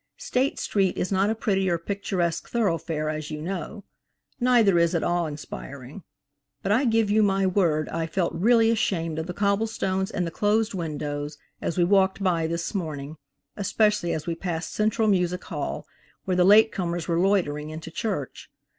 State street is not a pretty or picturesque thoroughfare, as you know, neither is it awe inspiring; but I give you my word I felt really ashamed of the cobble stones and the closed windows as we walked by this morning; especially as we passed Central Music Hall where the late comers were loitering into church.